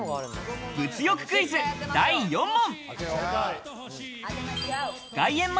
物欲クイズ、第４問。